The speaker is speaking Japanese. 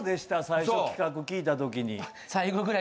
最初企画聞いたときに。